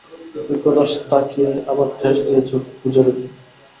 বিপ্রদাস তাকিয়ায় আবার ঠেস দিয়ে চোখ বুজে রইল।